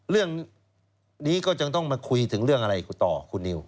เรื่องนี้ก็จะต้องมาคุยถึงเรื่องอะไรต่อคุณนิว